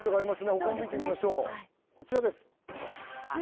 他も見てみましょうこちらです